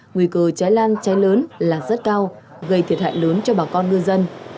nguy cơ cháy lan cháy lớn là rất cao gây thiệt hại lớn cho bà con ngư dân